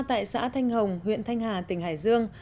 tại xã thanh hồng huyện thanh hà tỉnh hải dương